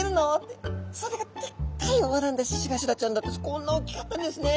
こんなおっきかったんですね。